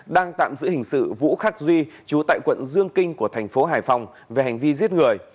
đang tạm giữ hình sự vũ khắc duy trú tại quận dương kinh của tp hải phòng về hành vi giết người